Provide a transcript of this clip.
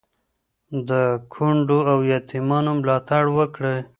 د کونډو او یتیمانو ملاتړ وکړئ.